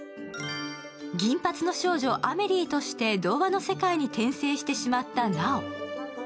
銀髪の少女アメリーとして童話の世界に転生してしまった奈央。